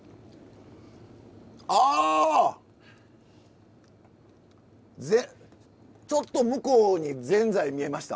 あちょっと向こうにぜんざい見えました。